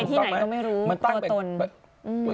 ไปที่ไหนก็ไม่รู้ตัวตน